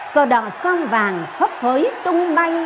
cờ đỏ xanh vàng khắp phới tung bay